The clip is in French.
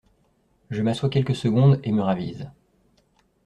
Je m’assois quelques secondes et me ravise.